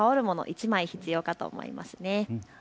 １枚必要かと思います。